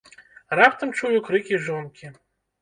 Раптам чую крыкі жонкі.